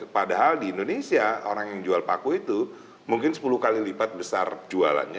padahal di indonesia orang yang jual paku itu mungkin sepuluh kali lipat besar jualannya